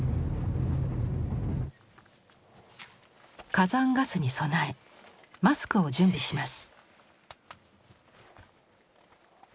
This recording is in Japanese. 火山ガスに備えマスクを準備します。